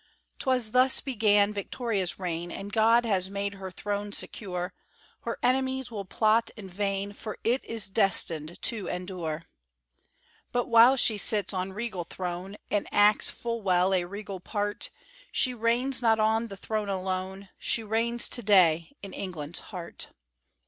_" 'Twas thus began Victoria's reign, And God has made her throne secure; Her enemies will plot in vain, For it is destined to endure. But while she sits on regal throne, And acts full well a regal part, She reigns not on the throne alone, She reigns to day in England's heart.